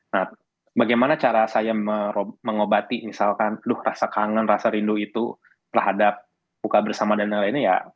nah bagaimana cara saya mengobati misalkan aduh rasa kangen rasa rindu itu terhadap buka bersama dan lain lainnya ya